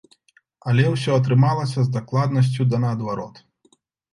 Але ўсё атрымалася з дакладнасцю да наадварот.